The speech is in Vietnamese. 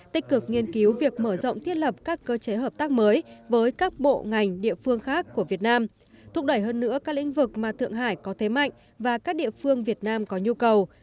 tích cực nghiên cứu việc mở rộng thiết lập các cơ chế hợp tác mới với các bộ ngành địa phương khác của việt nam thúc đẩy hơn nữa các lĩnh vực mà thượng hải có thế mạnh và các địa phương việt nam có nhu cầu